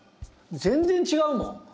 全然違うもん！